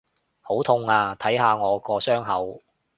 好痛啊！睇下我個傷口！